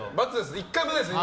１回もないですね？